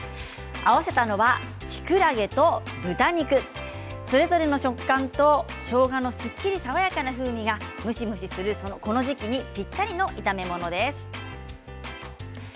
合わせたのは、きくらげと豚肉それぞれの食感としょうがのすっきり爽やかな風味がむしむしするこの時期にぴったりの炒め物です。